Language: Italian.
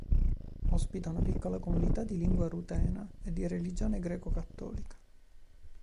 Ospita una piccola comunità di lingua rutena e di religione greco-cattolica.